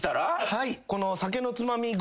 はい。